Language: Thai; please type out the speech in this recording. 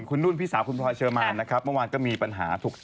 คุณนุ่นพี่สามก็มีปัญหา